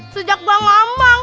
sejak gue ngambang